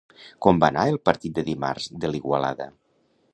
Com va anar el partit de dimarts de l'Igualada?